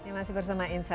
oke aku mau berkata enggak